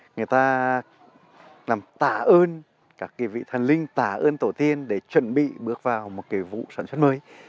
người ta làm tạ ơn các vị thần linh tả ơn tổ tiên để chuẩn bị bước vào một cái vụ sản xuất mới